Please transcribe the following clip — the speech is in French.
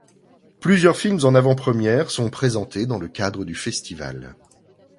Plusieurs films en avant-premières sont présentés dans le cadre du festival.